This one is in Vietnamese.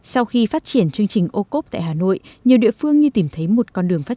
sau khi phát triển chương trình ô cốp tại hà nội nhiều địa phương như tìm thấy một con đường phát